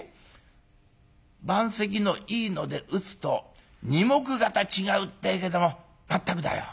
盤石のいいので打つと二目がた違うってえけどもまったくだよ。